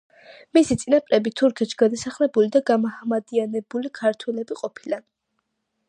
მისი წინაპრები თურქეთში გადასახლებული და გამაჰმადიანებული ქართველები ყოფილან.